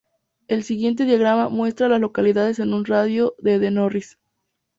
El siguiente diagrama muestra a las localidades en un radio de de Norris.